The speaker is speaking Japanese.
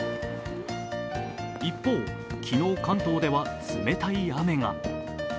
一方、昨日、関東では冷たい雨が。